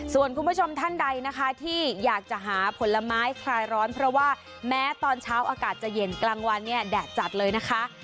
ส่วนคุณผู้ชมท่านใดนะคะที่อยากจะหาผลไม้คลายร้อนเพราะว่าแม้ตอนเช้าอากาศจะเย็นกลางวันเนี่ยแดดจัดเลยนะคะ